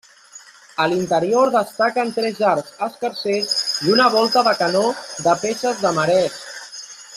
A l'interior destaquen tres arcs escarsers i una volta de canó de peces de marès.